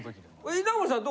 稲森さん